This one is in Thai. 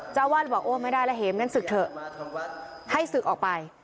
เจ้าวาดบอกโอ้ไม่ได้แล้วเหมงั้นศึกเถอะให้ศึกออกไป